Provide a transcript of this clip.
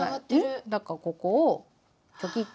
だからここをチョキッ。